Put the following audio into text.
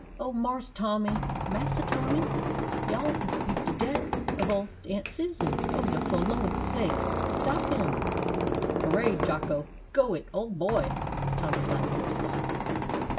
Oh, Marse Tommy, Massa Tommy, yous'll be de deff of ole Aunt Susan! Oh, fo' de Lor's sake, stop 'im!" "Hooray, Jocko! go it, old boy!" was Tommy's laughing response.